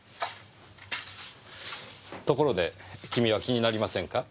ところで君は気になりませんか？